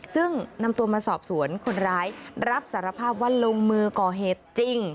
ซึ่งนำตัวมาสอบสวนคนร้ายรับสารภาพว่าลงมือก่อเหตุจริง